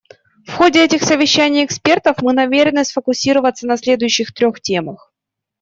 В ходе этих совещаний экспертов мы намерены сфокусироваться на следующих трех темах.